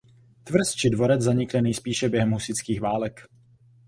Tvrz či dvorec zanikly nejspíše během husitských válek.